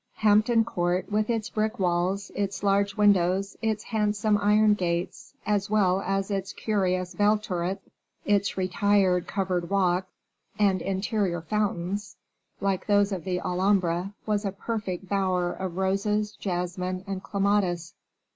Hampton Court, with its brick walls, its large windows, its handsome iron gates, as well as its curious bell turrets, its retired covered walks, and interior fountains, like those of the Alhambra, was a perfect bower of roses, jasmine, and clematis.